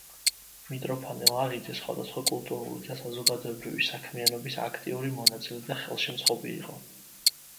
მიტროფანე ლაღიძე სხვადასხვა კულტურული და საზოგადოებრივი საქმიანობის აქტიური მონაწილე და ხელშემწყობი იყო.